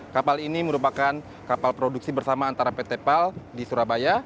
kapal ini merupakan kapal produksi bersama antara pt pal di surabaya